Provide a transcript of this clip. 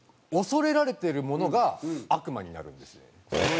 「恐れられてるものが悪魔になる」？